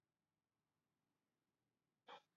Aurretik ordea, beste biografia asko.